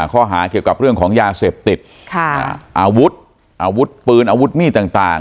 ข้อหาเกี่ยวกับเรื่องของยาเสพติดอาวุธอาวุธปืนอาวุธมีดต่าง